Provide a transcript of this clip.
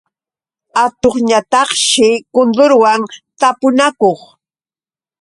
Atuqñataqshi kundurwan tapunakuq.